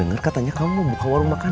ngobrolnya jangan lama lama kum